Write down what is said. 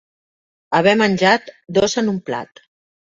Haver menjat dos en un plat.